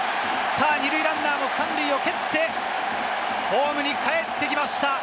さぁ、２塁ランナーも３塁を蹴ってホームにかえってきました。